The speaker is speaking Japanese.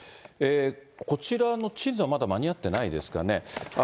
こちらの地図はまだ間に合ってないですかね。